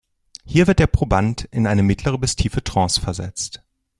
Hier wird der Proband in eine mittlere bis tiefe Trance versetzt.